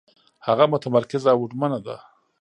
هغه متمرکزه او هوډمنه ده.